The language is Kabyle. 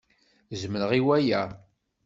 Zemreɣ i waya.